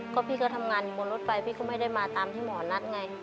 ก็พี่ก็ทำงานอยู่บนรถไฟพี่ก็ไม่ได้มาตามที่หมอนัดไง